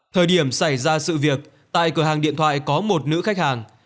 thời điểm xảy ra sự việc tại cửa hàng điện thoại có một nữ khách hàng